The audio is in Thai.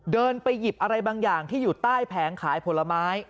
เดินไปหยิบอะไรบางอย่างที่อยู่ใต้แผงขายผลไม้